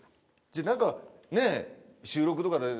じゃあなんかね。